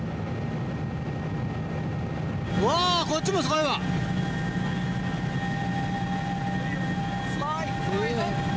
うわこっちもすごいわ。